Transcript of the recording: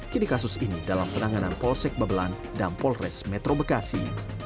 kini kasus ini dalam penanganan polsek babelan dan polres metro bekasi